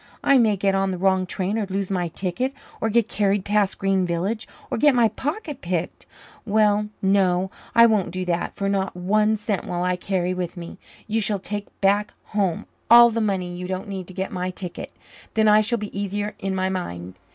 I may get on the wrong train or lose my ticket or get carried past Green Village or get my pocket picked. Well, no, I won't do that, for not one cent will I carry with me. You shall take back home all the money you don't need to get my ticket. Then I shall be easier in my mind.